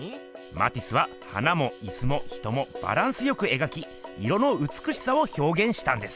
マティスは花もいすも人もバランスよく描き色のうつくしさをひょうげんしたんです。